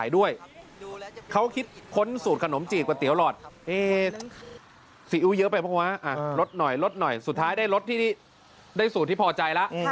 ได้สูตรที่พอใจละ